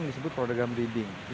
yang disebut program breeding